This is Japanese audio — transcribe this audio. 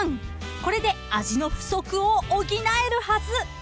［これで味の不足を補えるはず］